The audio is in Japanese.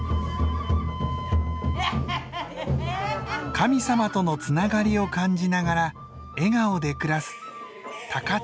神様とのつながりを感じながら笑顔で暮らす高千穂の夜神楽です。